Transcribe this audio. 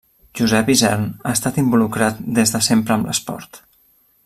Josep Isern ha estat involucrat des de sempre amb l'esport.